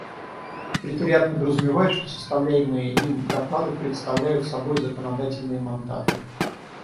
Секретариат подразумевает, что составляемые им доклады представляют собой законодательные мандаты.